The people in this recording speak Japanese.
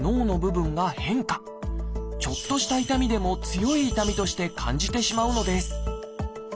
ちょっとした痛みでも強い痛みとして感じてしまうのです。